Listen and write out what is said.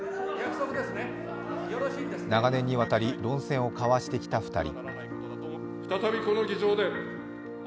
長年にわたり論戦を交わしてきた２人。